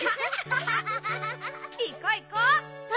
いこういこう！